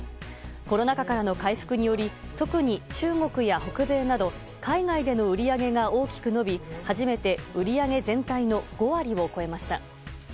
コロナ禍からの回復により特に中国や北米など海外での売り上げが大きく伸び初めて売り上げ全体の５割を超えました。